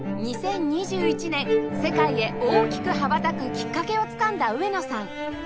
２０２１年世界へ大きく羽ばたくきっかけをつかんだ上野さん